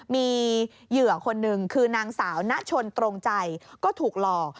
มีเหยื่อคนหนึ่งคือนางสาวณชนตรงใจก็ถูกหลอก